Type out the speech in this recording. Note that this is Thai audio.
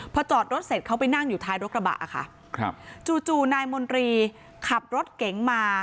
พอจอดรถเสร็จเขาไปนั่งอยู่ท้ายรถกระบะค่ะครับจู่นายมนตรีขับรถเก๋งมา